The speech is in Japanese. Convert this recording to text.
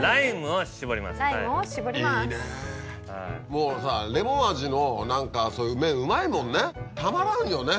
もうさレモン味の何かそういう麺うまいもんねたまらんよね。